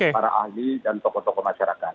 para ahli dan tokoh tokoh masyarakat